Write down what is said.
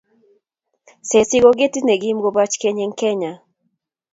Sesie ko ketit ne kimii koboch keny eng Kenya.